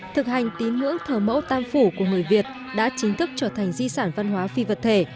thực hành tín ngưỡng thờ mẫu tam phủ của người việt đã chính thức trở thành di sản văn hóa phi vật thể